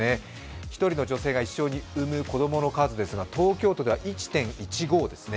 １人の女性が一生に産む子供の数ですが東京都では１．１５ですね。